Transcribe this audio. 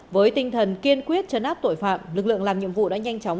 với tinh thần kiên quyết chấn áp tội phạm lực lượng làm nhiệm vụ đã nhanh chóng